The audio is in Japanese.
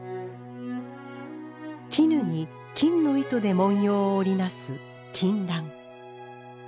絹に金の糸で文様を織り成す金襴。